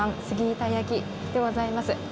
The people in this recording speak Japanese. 杉板焼きでございます。